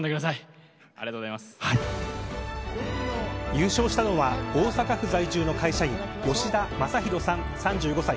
優勝したのは大阪府在住の会社員吉田昌弘さん、３５歳。